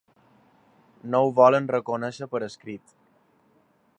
No ho volen reconèixer per escrit.